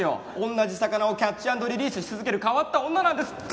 同じ魚をキャッチアンドリリースし続ける変わった女なんです。